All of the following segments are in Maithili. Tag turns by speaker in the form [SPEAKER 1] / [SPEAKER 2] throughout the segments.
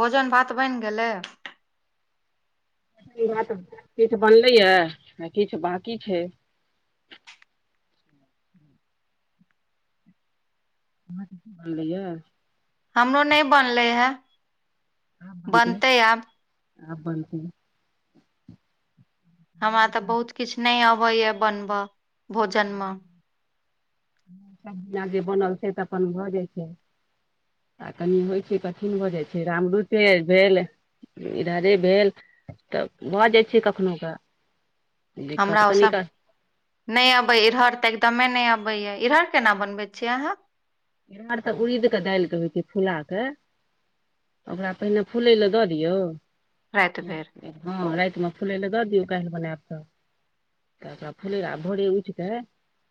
[SPEAKER 1] भोजन भात बनि गेले
[SPEAKER 2] बात किछु बनलैय किछु बकि छै। ह कि बलैयै।
[SPEAKER 1] हमरो नहि बनले ह बनतै आब।
[SPEAKER 2] आ बलत।
[SPEAKER 1] हमरा त बहुत किछु नहि अबैएा बनबय भोजन मे।
[SPEAKER 2] सब्जी आ जे बनल छै त अपन भऽ जाइत छै। कनि होइ छै कठिन भऽ जाइ छै राम रुचे भेल। इधरे भेल त भऽ जाइ छी कखनोहु क।
[SPEAKER 1] हमरा ओ सभ। नहि अबैए इहड़ त एकदमे नहि अबैया इरहड़ केना बनबैत छियै अहाँ।
[SPEAKER 2] इार तऽ उड़द केडालिक के होइ छै फुला के। ओकरा पहिले फूलय ल दऽ दियौ।
[SPEAKER 1] राति भरि
[SPEAKER 2] हँ रायतमे फुलै ल दऽ दियौ कायल बनैब तऽ। त फुलै ल आ भोरे उठ कऽ।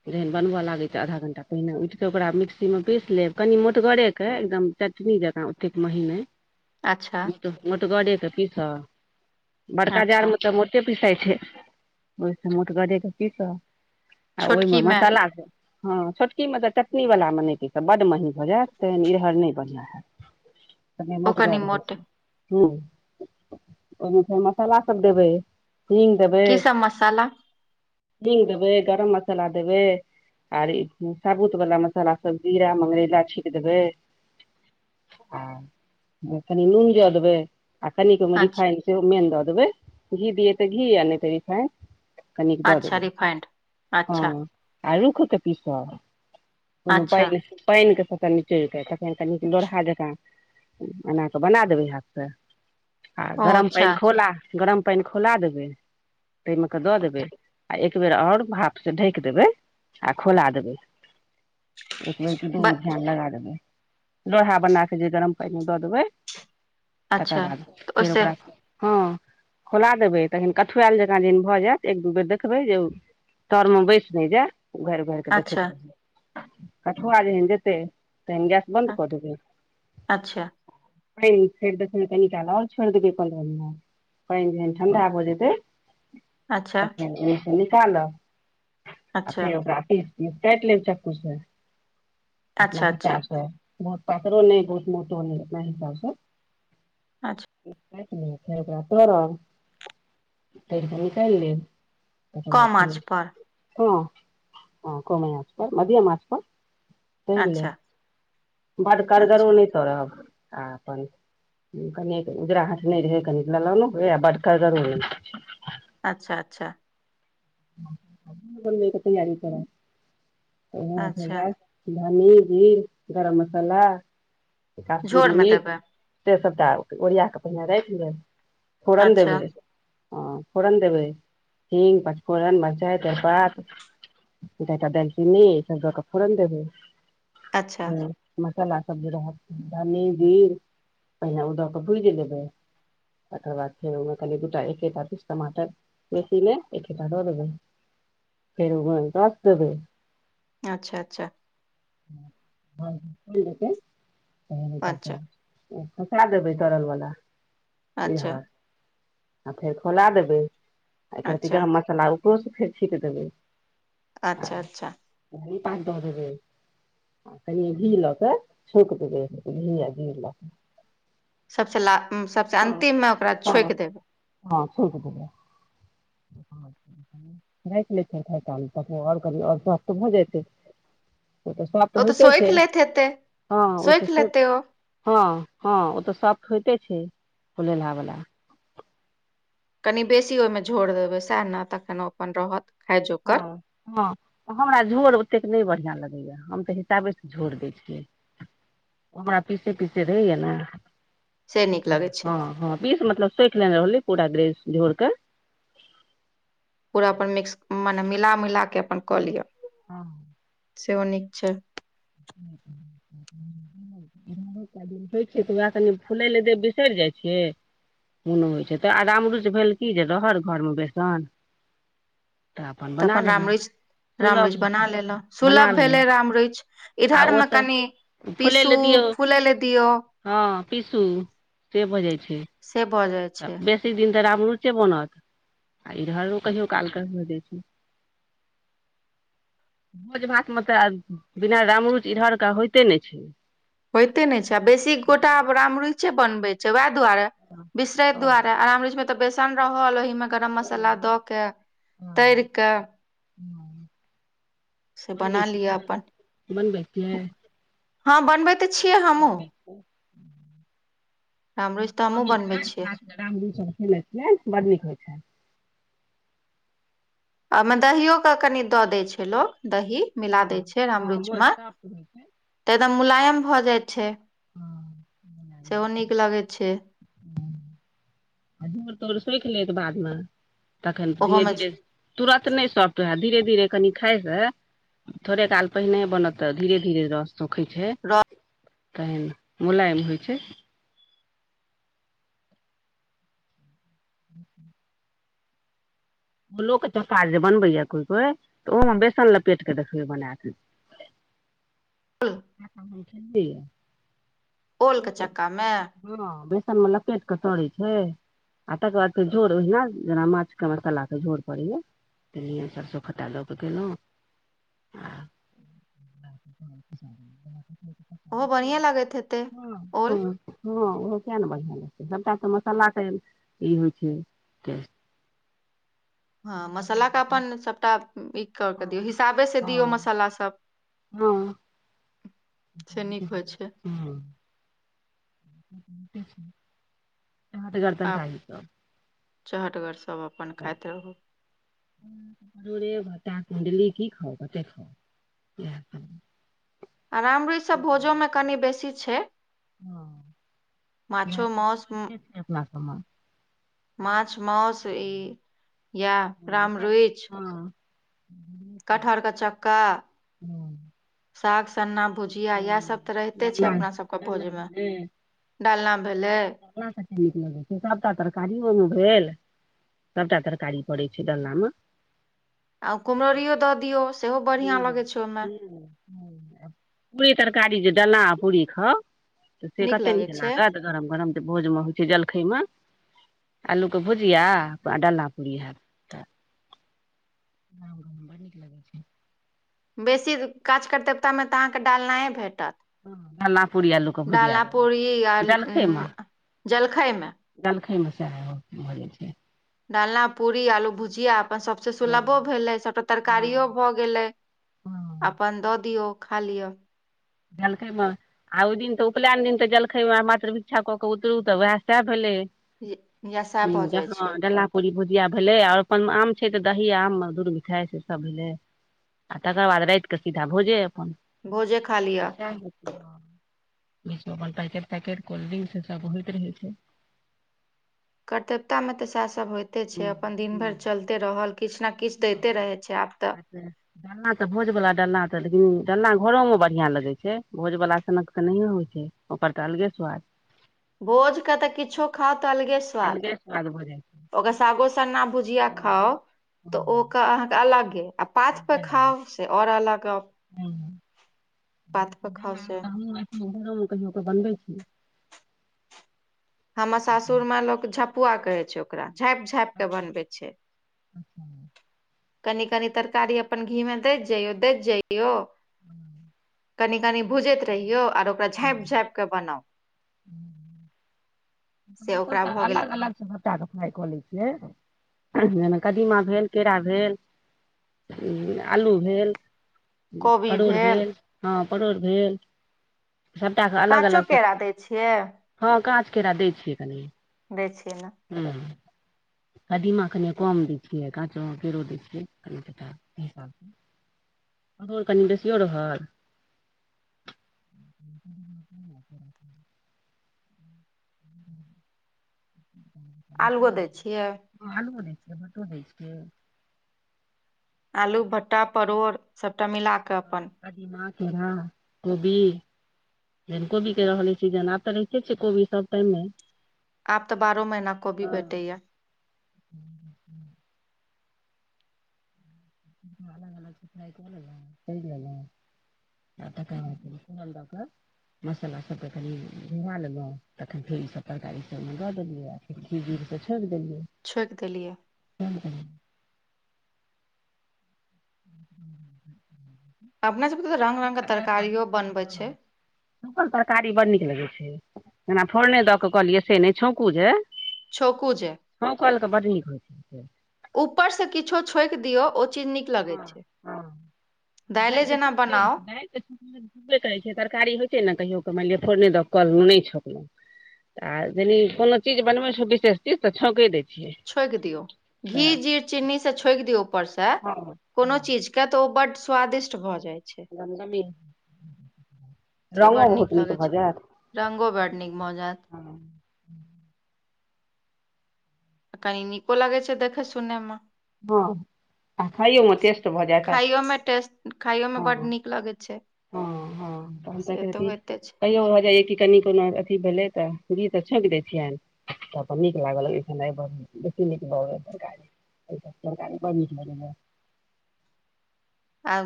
[SPEAKER 2] जहन बनबऽ लागि तऽ आधा घण्टा पहिने उठिकऽ ओकरा मिक्स। मे पीस लेब कनि मोटगरे कअ एकदम चटनी जकाँ ओतेक मही ने।
[SPEAKER 1] अच्छा
[SPEAKER 2] मोटगरे के पीसब बड़का जाड़
[SPEAKER 1] अच्छा
[SPEAKER 2] मे तऽ मोट। कतेक पिसाई छैय ओहिसँ मोटगरेके पीसऽ ब आ ओहिमे
[SPEAKER 1] छोटकी मे
[SPEAKER 2] मसाला सब। हँ छोटकी मत चटनी वला मनै। इस बड्ड मही भऽ जायत त इहर नैय बढ़िआँ हयत कनी
[SPEAKER 1] ओ
[SPEAKER 2] मोटगर
[SPEAKER 1] कनि
[SPEAKER 2] रहै
[SPEAKER 1] मोट
[SPEAKER 2] छैय। ह ओयमे फेर मसाला सब देबै। हिंग दैबेई।
[SPEAKER 1] की सब मसाला
[SPEAKER 2] हींग दैबे गरम मसाला देबे आर ई साबुत वाला मसाला। सब जीरा मंगरैला छीट देबै। आ कनी नून ज देबै। आ कनीक
[SPEAKER 1] अच्छा
[SPEAKER 2] रिफाइन सेहो मैन दऽ देबै घी दीए त घी आ नैय त रिफाइन। कनिक दऽ
[SPEAKER 1] अच्छा
[SPEAKER 2] देबै
[SPEAKER 1] रिफाइंड
[SPEAKER 2] हँ
[SPEAKER 1] अच्छा
[SPEAKER 2] आ रूख कऽ पीसबऽ। ओयमे
[SPEAKER 1] अच्छा
[SPEAKER 2] पानैय पानैप के निचोर क लोढ़हा जकाँ। ऐना कऽ बना देबै हाथसँ आ
[SPEAKER 1] ओ
[SPEAKER 2] गरम
[SPEAKER 1] अच्छा
[SPEAKER 2] पानि खोला। गरम पैन खौला देबै। तयम कऽ दऽ देबै आ एकबेर ओर भापसँ ढकि देबै आ खोला देबै। एक बेर दू दू
[SPEAKER 1] ब
[SPEAKER 2] ग ध्यान लगा देबैय लोढ़ा बना कऽ जे गरम पानि दऽ देबै। तकर
[SPEAKER 1] अच्छा
[SPEAKER 2] बाद।
[SPEAKER 1] तऽ
[SPEAKER 2] फेर
[SPEAKER 1] ओहिसे
[SPEAKER 2] ओकरा। हँ खोला देबै तखन कठुआयल जकाँ जहन भऽ जायत एक दू बेर देखबै जे। तर मे बैस नैय जाय उघार उघार कऽ देखैत
[SPEAKER 1] अच्छा
[SPEAKER 2] रहब। कठुआ जेहन जेतै तेहन गैस बन्द कऽ देबै।
[SPEAKER 1] अच्छा अच्छा
[SPEAKER 2] [inaudible] कनिकाल आर छोड़ दबैय कलम म। पैइन जहन ठण्ढा भ जैतेय
[SPEAKER 1] अच्छा
[SPEAKER 2] तखन ऐहे निकालब त ऽ फेर ओ निकालब आ फेर ओकरा पिस पिस काट लैब चक्कु। कुछ नैय अपना
[SPEAKER 1] अच्छा अच्छा
[SPEAKER 2] हिसाबसँ। बहुत पातरो नैय बहुत मोटो नैय अपना हिसाबसँ
[SPEAKER 1] अच्छा
[SPEAKER 2] स्वात निक छैय ओकरा तर। तर क निकाइल लैब। तखन आ
[SPEAKER 1] कम आँच पर
[SPEAKER 2] खिलीहँ ह कमे आँच पर। मध्यम आँच पर तैर
[SPEAKER 1] अच्छा
[SPEAKER 2] लैब बर कड़गरो
[SPEAKER 1] अच्छा
[SPEAKER 2] नै। तरब आ अपन। कनि क उजरा हाट नहि रहै कनि ललनो हो बड कड़गरो नैय।
[SPEAKER 1] अच्छा अच्छा।
[SPEAKER 2] बनबे क तैयारी क ऽ आ
[SPEAKER 1] अच्छा
[SPEAKER 2] रात। धनी जीर गरम मसाला काश्मीरी
[SPEAKER 1] झोरमे
[SPEAKER 2] मिर्च।
[SPEAKER 1] देबै
[SPEAKER 2] से सभटा ओरिया कऽ पहिने राख लैब फोरन
[SPEAKER 1] अच्छा
[SPEAKER 2] देबही। हँ फोरन देबै हींग पचफोरन मेरचाइ तेरपात। दाल चिनी सबक फोरन देबही।
[SPEAKER 1] अच्छा
[SPEAKER 2] मसाला सब जे रहत धन्नी जीर पहिने ओ दऽ कऽ भुज लेबै। तकर बाद फेर ओप म दु टा एक टमाटर कुछ टमाटर बेसी ना। [inaudible]
[SPEAKER 1] अच्छा अच्छा।
[SPEAKER 2] जेत कह भऽ पत
[SPEAKER 1] अच्छा
[SPEAKER 2] पचा देबै तरल वला ई
[SPEAKER 1] अच्छा
[SPEAKER 2] हर आ फेर खौला देबै एकर रति
[SPEAKER 1] अच्छा
[SPEAKER 2] गरम मसाला ऊपरोस फेर छीट देबै
[SPEAKER 1] अच्छा अच्छा।
[SPEAKER 2] बी पाँच दै तनी घी लक शौक घ घी
[SPEAKER 1] सभसँ ला सभसँ अंतिम मे ओकरा छोकि देबै
[SPEAKER 2] ह छलट दियै राखि लै छिय खाय काल तख आओर कभी आओर तऽ भऽ जतै ओ तऽ सँ तऽ
[SPEAKER 1] ओ
[SPEAKER 2] होइते छै
[SPEAKER 1] सोखि लैत हेतै
[SPEAKER 2] हँ ओ तऽ
[SPEAKER 1] सोखि लेतै ओ
[SPEAKER 2] ह ह ओ तऽ सफट होइते छै फलहावला
[SPEAKER 1] कनि बेसी ओहिमे झोड़ि देबै सएह न तखन ओ अपन रहत खाय
[SPEAKER 2] ह
[SPEAKER 1] जोगर
[SPEAKER 2] ह हमरा झोर ओतेक नहि बढ़िआ लगैए हम तऽ हिसाबेसँ झोर दैत छियै हमरा पीछे पीछे रहैय न
[SPEAKER 1] से नीक लगै छै
[SPEAKER 2] हँ हँ विष मतलब सखि लेने रहलै पूरा ग्रेस झोर क
[SPEAKER 1] पूरा अपन मिक्स मने मिला मिला के अपन कऽ
[SPEAKER 2] हँ
[SPEAKER 1] लिआ
[SPEAKER 2] हँ
[SPEAKER 1] सेहो नीक छै
[SPEAKER 2] ह। दिन होइ छै तऽ उएह कनि फुलै लऽ दे बिसरि जाइ छियै कोनो होइ छै तऽ आ राम रुच भेल कि जे रह घरमे बेसन तऽ
[SPEAKER 1] त
[SPEAKER 2] बना
[SPEAKER 1] अपन राम
[SPEAKER 2] लेलहुँ
[SPEAKER 1] ररिच राम
[SPEAKER 2] सुलभ
[SPEAKER 1] ररिच
[SPEAKER 2] होइ
[SPEAKER 1] बना
[SPEAKER 2] छै
[SPEAKER 1] लेलहुँ
[SPEAKER 2] बना
[SPEAKER 1] सुलभ भेलै
[SPEAKER 2] लेलहुँ
[SPEAKER 1] राम ररिच
[SPEAKER 2] आ
[SPEAKER 1] इधर
[SPEAKER 2] ओ
[SPEAKER 1] मे
[SPEAKER 2] तऽ
[SPEAKER 1] कनि पीसु फुले लऽ दियऔ
[SPEAKER 2] ह पीसू से भऽ जाइ छै
[SPEAKER 1] से भऽ जाइ छै।
[SPEAKER 2] तऽ बेसी दिन त राम रुचे बनत आ इधरो कहियो कालके भऽ जाइत छै भोज भात मे त बिना रामरूच इहरके होइते ने छै
[SPEAKER 1] होयते ने छै आ बेसी गोटा आब राम रुचे बनबे छै वएह दुआरे बिसरे दुआरेरमच मे त बेसन रहल ओहि गरम मसाला द के तर के से
[SPEAKER 2] बनबै
[SPEAKER 1] बना लिअ
[SPEAKER 2] छियै
[SPEAKER 1] अपन
[SPEAKER 2] बनबै छियै।
[SPEAKER 1] ह बनबै छिय हमहु
[SPEAKER 2] बनबै छियै
[SPEAKER 1] हमरो त हमहुँ बनबै छियै
[SPEAKER 2] राम दू सभ खी लै छियै बड़ नीक होइ छै
[SPEAKER 1] ओ ओहिमे दहिो के कनि दऽ दै छै लोकोग दही मिला दै
[SPEAKER 2] हँ
[SPEAKER 1] छै राम
[SPEAKER 2] हँ
[SPEAKER 1] रुच
[SPEAKER 2] मोर
[SPEAKER 1] मे
[SPEAKER 2] सॉफ्ट होइ छै
[SPEAKER 1] तऽ एकदम मुलायम भ जाइ छै
[SPEAKER 2] हँ
[SPEAKER 1] सेहो नीक लागै छै।
[SPEAKER 2] जोर तोर सुखि लेत बादमे तखन धीरे
[SPEAKER 1] ओहोमे
[SPEAKER 2] धीरे तुरत नहि सॉफ्ट होए धीरे धीरे कनि खाय से थोड़े काल पहिने बनतऽ धीरे धीरे रास सुखैत छै
[SPEAKER 1] र।
[SPEAKER 2] तहन मुलायम होई छै ह फूलोक के चोखा जे बनबैया कोइ कोई तऽ ओहोमे बेसन लपेट कऽ देखबै बना कऽ
[SPEAKER 1] ब।
[SPEAKER 2] [inaudible]
[SPEAKER 1] ओलके
[SPEAKER 2] ओ
[SPEAKER 1] चक्कामे
[SPEAKER 2] हँ बेसन मे लपेट के तरै छै आ तकर बाद फेर झोर ओहिना जेना माछ के मसला के झोर पड़ैया तन सरसो खटा लऽ क गेलौ आ हँ
[SPEAKER 1] ओहो बढ़िएँ
[SPEAKER 2] ह
[SPEAKER 1] लागैत हेतै
[SPEAKER 2] हँ
[SPEAKER 1] ओल
[SPEAKER 2] ओहो किएक ने बढ़िआँ लगतै सभटा तऽ मसालाके ई होइ छै टेस
[SPEAKER 1] हँ मसालाके अपन सभटा ई कऽ कऽ दियौ
[SPEAKER 2] हँ
[SPEAKER 1] हिसाबेसँ दियौ मसाला सभ
[SPEAKER 2] हँ
[SPEAKER 1] से नीक होइ छै
[SPEAKER 2] हट करतैन
[SPEAKER 1] आ
[SPEAKER 2] [unintelligible]
[SPEAKER 1] चहटगर सभ अपन खाइत रहू
[SPEAKER 2] [inaudible] [unintelligible] कुणडली कि खाउ कते खाउ
[SPEAKER 1] आ रामरुइच सभ भोजोमे कनि बेसी छै
[SPEAKER 2] हँ
[SPEAKER 1] माछो
[SPEAKER 2] [unintelligible] छै अपना सबमे
[SPEAKER 1] मछ मौस ई या राम
[SPEAKER 2] हँ
[SPEAKER 1] रुइच
[SPEAKER 2] हँ
[SPEAKER 1] कटहर के चक्का
[SPEAKER 2] हँ
[SPEAKER 1] साग सन्ना भुजिया इएह सब तऽ रहिते छै
[SPEAKER 2] डालना
[SPEAKER 1] अपना सबके
[SPEAKER 2] डालना
[SPEAKER 1] भोजमे
[SPEAKER 2] भेलै
[SPEAKER 1] डालना भेलै
[SPEAKER 2] डालना कते नीक लगै छै सबटा तरकारियो ओहिमे भेल सबटा तरकारी पड़ै छै डलना मे
[SPEAKER 1] आ कुमरौरियो दऽ दियौ सेहो बढ़िआँ
[SPEAKER 2] हूँ
[SPEAKER 1] लगैत छै ओहिमे
[SPEAKER 2] हूँ पूरी तरकारी जे डलना आ पूरी खाउ तऽ से कते नीक
[SPEAKER 1] लगैत छै
[SPEAKER 2] लागत गरम गरम जे भोज मे होइ छै जलखै मे आलूके भुजिया आ डालना पूड़ी हैत ह बड़ नीक लगै छै
[SPEAKER 1] बेसी काज करतेबता मे तऽ अहाँकेँ डालनाइए भेटत
[SPEAKER 2] हँ डलना पूरी आलूके भुजिया
[SPEAKER 1] डालना
[SPEAKER 2] रहु
[SPEAKER 1] पूरी आ उ जलखै मे
[SPEAKER 2] दलखैमे से भऽ जाइ छै
[SPEAKER 1] डालना पूरी आलू भुजिया अपन सबसे
[SPEAKER 2] हँ
[SPEAKER 1] सुलभो भेलै सभटा
[SPEAKER 2] हँ
[SPEAKER 1] तरकारियो भऽ गेलै
[SPEAKER 2] हँ
[SPEAKER 1] अपन दऽ दियौ खा लिअ
[SPEAKER 2] जलखै मऽ आ ओहि दिन तऽ उपनयन दिन तऽ जलखैमे मात्र विक्षा कऽ के उतरू तऽ उएह सएह भेलै
[SPEAKER 1] यशा भऽ जाइ छै
[SPEAKER 2] पूी भुजिया भेलै आओर अपन आम छै तऽ दही आम दूध मिठाइ से सब भेलै आ तकर बाद राइत कऽ सीधा भोजे अपन
[SPEAKER 1] भोजे खाली
[SPEAKER 2] अपन पैट पैट कोल्डड्रिंक सब होइत रहे छै [inaudible]
[SPEAKER 1] कर्तव्यता में तऽ सेह सब होइते छै
[SPEAKER 2] हूँ
[SPEAKER 1] अपन दिन भैर
[SPEAKER 2] हूँ
[SPEAKER 1] चलते रहल किछ न किछ दैते
[SPEAKER 2] आ
[SPEAKER 1] रहै छै आब तऽ
[SPEAKER 2] डालना तऽ भोज बला डालना तऽ लेकिन डालना घरोमे बढ़िआँ लगैत छै भोज बला सनक तऽ नहिए होइ छै ओकर त अलगे स्वाद
[SPEAKER 1] भोज क‌ तऽ किछो खाओ त अलगे स्वाद
[SPEAKER 2] अलगे स्वाद भऽ जाइ छै
[SPEAKER 1] ओक सागो सन्ना भुजिया
[SPEAKER 2] हँ
[SPEAKER 1] खाउ तऽ ओ [unintelligible]
[SPEAKER 2] हँ
[SPEAKER 1] क अहा के अलगे आ पात
[SPEAKER 2] अलगे
[SPEAKER 1] प
[SPEAKER 2] लागत
[SPEAKER 1] खाउ से आओर अलगाव
[SPEAKER 2] देला तऽ हमूँ घरो मे कहियो कऽ बनबै छी
[SPEAKER 1] ह सासुर मे लोक झपुआ कहे छै ओकरा झाँपि झाँप के बनवै छै
[SPEAKER 2] अच्छा
[SPEAKER 1] कनि कनी तरकारी अपन घी मे दैत जइयौ दैत जैयौ कनि कनि भुजैत रहियौ और ओकरा
[SPEAKER 2] हँ
[SPEAKER 1] झाँपि झाँपि कऽ बनाउ से
[SPEAKER 2] हमसभ
[SPEAKER 1] ओकरा
[SPEAKER 2] तऽ
[SPEAKER 1] भऽ गेल
[SPEAKER 2] अलग अलग सभटा कऽ फ्राइ कऽ लै छियै जेना कदीमा भेल केरा भेल आलू भेल परोड़ भेल ह परोड़ भेल सभटाक अलग
[SPEAKER 1] काँचो
[SPEAKER 2] अलग सँ
[SPEAKER 1] केरा दै छियै
[SPEAKER 2] हँ काँच केरा दै छियै कनि
[SPEAKER 1] दै छियै ने
[SPEAKER 2] हु कदीमा कनि कम दै छियै काचो मे केरो दै छियै कनिटा हिसाबसँ परोर कनी बेसीयो रहल [inaudible] हूँ। [inaudible] [inaudible]
[SPEAKER 1] आलु ओ दैय छियै
[SPEAKER 2] आलु ओ दैय छियै मटरो दै छियै
[SPEAKER 1] आलू भट्टा परोड़ सभटा मिलाकऽ अपन
[SPEAKER 2] कदीमा खीरा कोबी। जहैन कोबी के रहलै सीजन आब तऽ रहिते छै कोबी सभ टाइम मे
[SPEAKER 1] आब तऽ बारहहो महीना कोबी भेटैया।
[SPEAKER 2] हैं अलग अलग च। आ कऽ सुनल मसाला सभके कनि धमा लेलौ तखन फेर ई सभ तरकारी सभमे दऽ देलियै एकी गीर से छोड़ि देलियै
[SPEAKER 1] छोकि देलियै।
[SPEAKER 2] हूँ [inaudible]
[SPEAKER 1] अपने सभके तऽ रंग रंग के तरकारियो बनबै छै
[SPEAKER 2] छौकल तरकारी बड़ नीक लगै छै जेना फोरने दऽ कऽ लिय से नै छौकू जे
[SPEAKER 1] छोकु जे।
[SPEAKER 2] छौकल के बड नीक होइ छै से
[SPEAKER 1] ऊपर सँ किछो छोकि दियौ ओ चीज न लगै
[SPEAKER 2] हँ
[SPEAKER 1] छै
[SPEAKER 2] हँ
[SPEAKER 1] दाइले जेना बनाउ।
[SPEAKER 2] दाइल। छबे करै छै तरकारी होइ छै ने कहियो क मैनलिय फोरने दऽ क नहि छोकलहुँ आ जेनी कोनो चीज बनबै छौ विशेष चीज त छोके दै छियै
[SPEAKER 1] छोकि दियौ घी
[SPEAKER 2] तऽ
[SPEAKER 1] जीर चीन्नी से छोकि दियौ ऊपर से
[SPEAKER 2] हँ हँ
[SPEAKER 1] कोनो चीज कऽ किया तऽ ओ बड्ड स्वादिष्ट भ जाइ छै से
[SPEAKER 2] रंगो
[SPEAKER 1] बड्ड
[SPEAKER 2] बहुत नीक
[SPEAKER 1] लगै
[SPEAKER 2] भऽ
[SPEAKER 1] छै
[SPEAKER 2] जैत
[SPEAKER 1] रंगो बड़ नीक भऽ जैत आ कनी नीको लागै छै देखै सुनै मे
[SPEAKER 2] ह आ खइयोम
[SPEAKER 1] से
[SPEAKER 2] टेस्ट भऽ जैत
[SPEAKER 1] खाइयो मे टेस्ट खाइयो मे बड्ड
[SPEAKER 2] हँ
[SPEAKER 1] नीक लगै छै
[SPEAKER 2] हँ हँ तक
[SPEAKER 1] से तऽ होइते छै
[SPEAKER 2] कहियो भऽ जाइया कि कनि कोनो अथी भेलै तऽ गीत छौकि दै छियनि तऽ नीक लागल बेसी नीक ब गा रकारी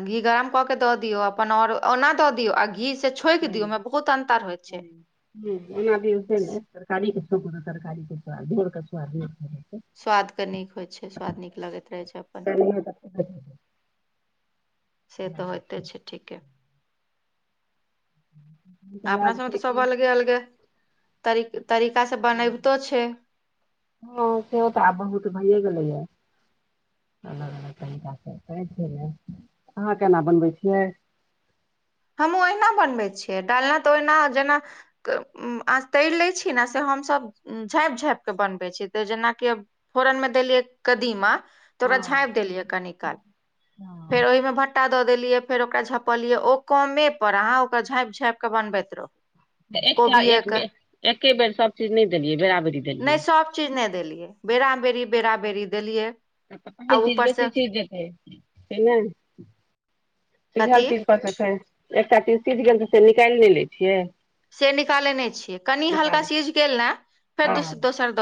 [SPEAKER 1] घी गरम कऽ के दऽ दियौ अपन आओर ओना दऽ दियौ आ घी से छोंकि
[SPEAKER 2] हू
[SPEAKER 1] दियौ ओहिमे बहुत अन्तर होइ छै
[SPEAKER 2] हू। ह ओना भऽ ने तरकारी के तरकारी केर
[SPEAKER 1] स्वाद के नीक होय छै स्वाद नीक लगैत रहे छै अपन।
[SPEAKER 2] काल तऽ
[SPEAKER 1] से तऽ होइते छै ठीके।
[SPEAKER 2] छै
[SPEAKER 1] अपना
[SPEAKER 2] वएह
[SPEAKER 1] से तऽ
[SPEAKER 2] छै
[SPEAKER 1] सभ
[SPEAKER 2] कि
[SPEAKER 1] अलगे अलगे तरीक तरीकासँ बनबितो छै।
[SPEAKER 2] हँ से तऽ आब बहुत भइए गेलैय। अलग अलग तरीका से कहै छै ने अहाँ केना बनबै छियै।
[SPEAKER 1] हमहूँ ओहिना बनबैत छियै डालना तऽ ओहिना जेना। तऽ तैर लैत छी ने से हमसभ झाँपि झाँपि कऽ बनबैत छी तऽ जेनाकि फरनमे देलियै कदीमा। त
[SPEAKER 2] हँ
[SPEAKER 1] ओकरा झाँपि देलियै कनी काल
[SPEAKER 2] हँ
[SPEAKER 1] फेर ओहिमे भटा। दऽ देलियै फेर ओकरा झपलियै ओ कमे पर अहाँ ओकरा झाँपि झाँपि क बनबैत रहू
[SPEAKER 2] एकटा
[SPEAKER 1] कोबिये
[SPEAKER 2] एक
[SPEAKER 1] के
[SPEAKER 2] बे एके बेर सभ चीज नहि देलियै बराबरी
[SPEAKER 1] नहि
[SPEAKER 2] देलियै
[SPEAKER 1] सब चीज नहि देलियै बेरा बेरी बेरा बेरी देलियै।
[SPEAKER 2] आ पहिल चीज
[SPEAKER 1] ऊपर
[SPEAKER 2] बची
[SPEAKER 1] से
[SPEAKER 2] चीज जतै ने सिझल
[SPEAKER 1] कथी
[SPEAKER 2] चीज कऽ एकटा चीज सिझ गेल तऽ से निकालि नहि लै छियै
[SPEAKER 1] स निकाले ने छियै कनी हल्का
[SPEAKER 2] निकालै
[SPEAKER 1] सीज गेल ने फेर
[SPEAKER 2] हँ
[SPEAKER 1] दोसर दऽ